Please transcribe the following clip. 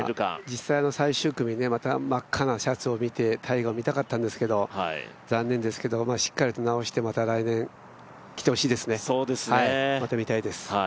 実際、最終組で真っ赤なシャツ、タイガーを見たかったんですけど残念ですけどしっかりと治してまた来年、来てほしいですね、また見たいです。